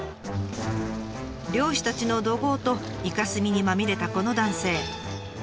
漁師たちの怒号とイカ墨にまみれたこの男性。